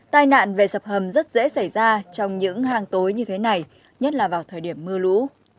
tai nạn về sập hầm rất dễ xảy ra trong những hang tối như thế này nhất là vào thời điểm mưa lũ